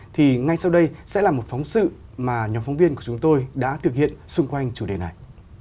thì ngay sau đây sẽ là một phóng sự mà nhóm phóng viên của chúng tôi đã thực hiện xung quanh chủ đề này